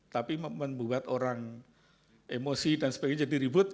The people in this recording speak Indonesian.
tapi membuat orang emosi dan sebagainya jadi ribut